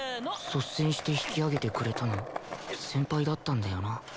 率先して引き上げてくれたの先輩だったんだよな